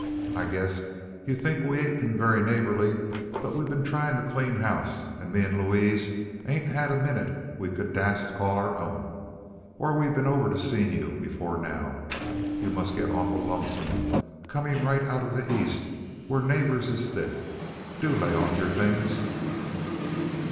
I guess yuh think we ain't been very neighborly, but we been tryin' t' clean house, an' me an' Louise ain't had a minute we could dast call our own, er we'd a been over t' seen yuh before now. Yuh must git awful lonesome, comin' right out from the East where neighbors is thick. Do lay off yer things!"